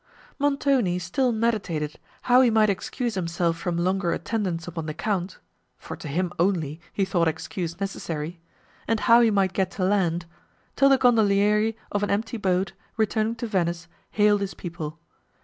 Montoni still meditated how he might excuse himself from longer attendance upon the Count, for to him only he thought excuse necessary, and how he might get to land, till the gondolieri of an empty boat, returning to Venice, hailed his people.